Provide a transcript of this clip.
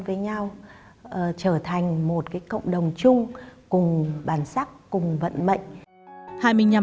với nhau trở thành một cộng đồng chung cùng bản sắc cùng vận mệnh